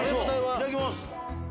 いただきます。